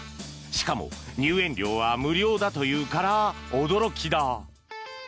しかも入園料は無料だというから驚きだ。